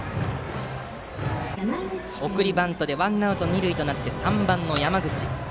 送りバントでワンアウト、二塁となって３番の山口。